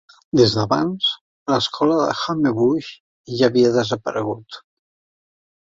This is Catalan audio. Des d'abans, l'escola de Homebush ja havia desaparegut.